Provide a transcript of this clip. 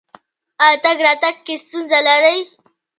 ایا تګ راتګ کې ستونزه لرئ؟